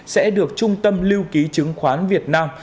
sẽ được trung tâm lưu ký chứng khoán việt nam